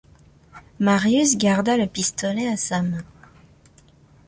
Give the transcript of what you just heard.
Marius garda le pistolet à sa main.